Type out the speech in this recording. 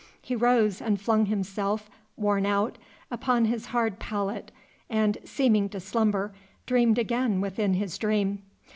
He rose and flung himself, worn out, upon his hard pallet, and, seeming to slumber, dreamed again within his dream.